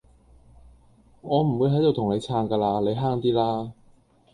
我唔會喺度同你撐㗎，你慳啲啦